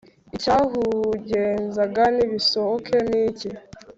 Icyahugenzaga ntibisohoke niki?